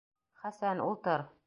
Хәсән, ултыр.